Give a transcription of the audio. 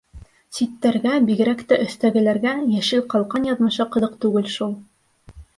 Ситтәргә, бигерәк тә өҫтәгеләргә, «йәшел ҡалҡан» яҙмышы ҡыҙыҡ түгел шул.